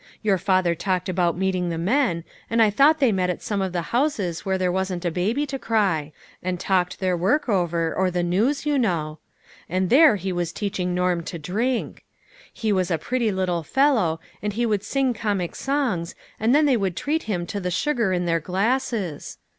Your father talked about meeting the men, and I thought they met at some of the houses where there wasn't a baby to cry, and talked their WEW FRIENDS. 73 work over, or the news, you know. And there he was teaching Norm to drink. He was a pretty little fellow, and he would sing comic songs, and then they would treat him to the su gar in their glasses